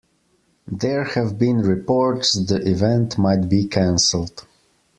There have been reports the event might be canceled.